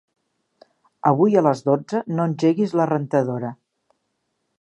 Avui a les dotze no engeguis la rentadora.